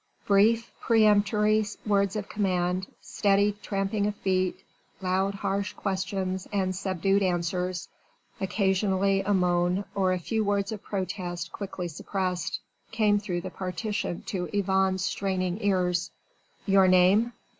Brief, peremptory words of command, steady tramping of feet, loud harsh questions and subdued answers, occasionally a moan or a few words of protest quickly suppressed, came through the partition to Yvonne's straining ears. "Your name?"